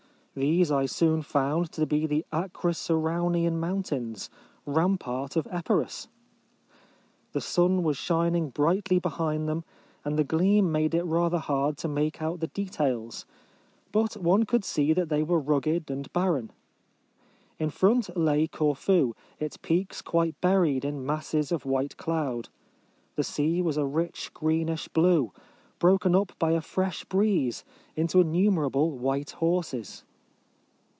These I soon found to be the Acro ceraunian mountains — rampart of Epirus. The sun was shining brightly behind them, and the gleam made it rather hard to make out the details; but one could see that they were rugged and barren. In front lay Corfu, its peaks quite buried in masses of white cloud. The sea was a rich greenish blue, broken up by a fresh breeze into innumerable white horses.